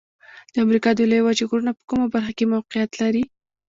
د امریکا د لویې وچې غرونه په کومه برخه کې موقعیت لري؟